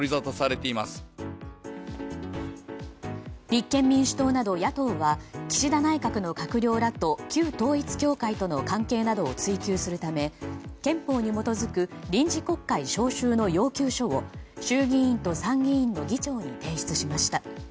立憲民主党など野党は岸田内閣の閣僚らと旧統一教会との関係などを追及するため憲法に基づく臨時国会召集の要求書を衆議院と参議院の議長に提出しました。